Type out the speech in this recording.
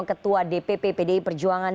ketua dpp pdi perjuangan